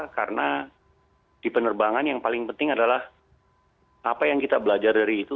karena di penerbangan yang paling penting adalah apa yang kita belajar dari itu